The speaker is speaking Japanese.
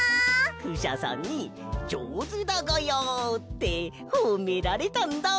クシャさんに「じょうずだがや」ってほめられたんだ！